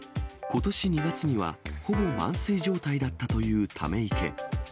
ことし２月には、ほぼ満水状態だったというため池。